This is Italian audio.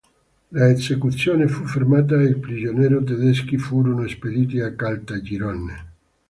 L'esecuzione fu fermata e i prigionieri tedeschi furono spediti a Caltagirone.